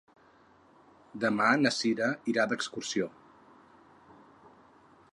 Demà na Cira irà d'excursió.